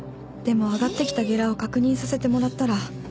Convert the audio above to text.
でも上がってきたゲラを確認させてもらったら。